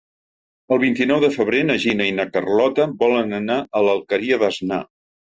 El vint-i-nou de febrer na Gina i na Carlota volen anar a l'Alqueria d'Asnar.